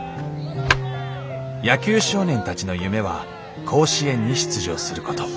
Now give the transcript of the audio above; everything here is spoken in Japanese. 野球少年たちの夢は甲子園に出場すること。